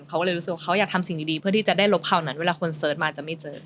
เขาก็เลยรู้สึกว่าเขาอยากทำสิ่งดีเพื่อที่จะได้ลบคราวนั้นเวลาคนเสิร์ชมาจะไม่เจอ